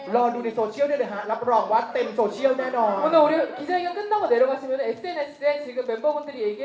รอดูในโซเชียลได้เลยฮะรับรองว่าเต็มโซเชียลแน่นอน